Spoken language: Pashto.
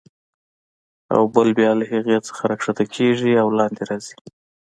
او بل بیا له هغې څخه راکښته کېږي او لاندې راځي.